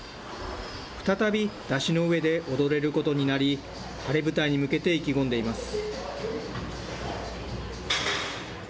再び、山車の上で踊れることになり、晴れ舞台に向けて意気込んでいます。